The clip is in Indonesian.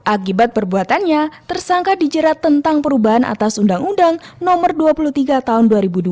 akibat perbuatannya tersangka dijerat tentang perubahan atas undang undang no dua puluh tiga tahun dua ribu dua